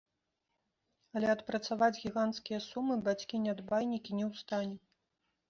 Але адпрацаваць гіганцкія сумы бацькі-нядбайнікі не ў стане.